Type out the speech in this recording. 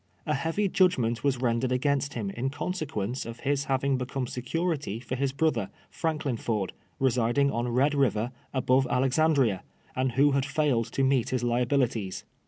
xi heavy judgment was ren dered against liim in consequence of liis having he come security for his brother, Franklin Ford, residing on Red liiyer, al)ove Alexandria, and ^yho had failed to meet his liabilities.